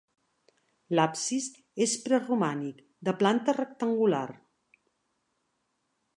L'absis és preromànic, de planta rectangular.